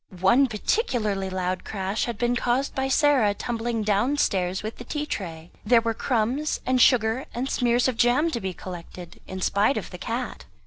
One particularly loud crash had been caused by Sarah tumbling downstairs with the tea tray; there were crumbs and sugar and smears of jam to be collected, in spite of the cat.